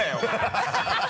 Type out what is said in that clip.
ハハハ